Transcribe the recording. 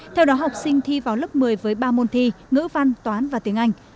theo đó học sinh thi vào lớp một mươi với ba môn thi ngữ văn toán và tiếng anh